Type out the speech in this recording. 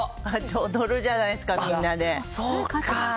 踊るじゃないですか、みんなで。